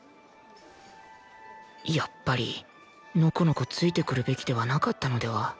やっぱりノコノコついてくるべきではなかったのでは